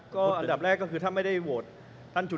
ก็อันดับแรกก็คือถ้าไม่ได้โหวตท่านจุด